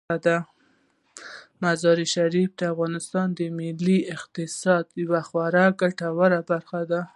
مزارشریف د افغانستان د ملي اقتصاد یوه خورا ګټوره برخه ده.